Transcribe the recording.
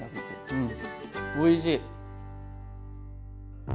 うんおいしい！